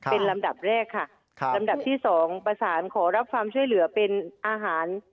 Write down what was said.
เป็นลำดับแรกค่ะลำดับที่สองประสานขอรับความช่วยเหลือเป็นอาหาร